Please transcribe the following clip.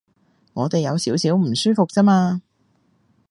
我哋有少少唔舒服啫嘛